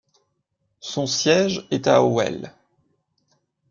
Son siège est à Howell.